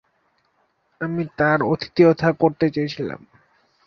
আমি তার আতিথেয়তা করতে চেয়েছিলাম।